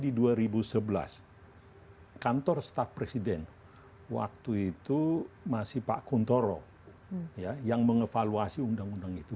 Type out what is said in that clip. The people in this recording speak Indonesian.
di dua ribu sebelas kantor staf presiden waktu itu masih pak kuntoro yang mengevaluasi undang undang itu